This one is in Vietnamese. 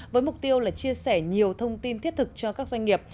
với mục tiêu là chia sẻ nhiều thông tin thiết thực cho các doanh nghiệp